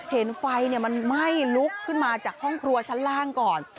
เห็นไฟมันไหม้ลุกขึ้นมาจากห้องครัวชั้นล่างก่อน